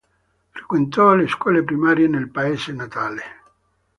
Frequentò le scuole primarie nel paese natale.